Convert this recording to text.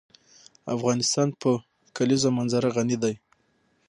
افغانستان په د کلیزو منظره غني دی.